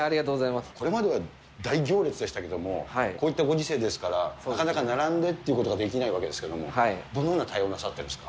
これまでは大行列でしたけれども、こういったご時世ですから、なかなか並んでということができないわけですけれども、どのような対応をなさってるんですか。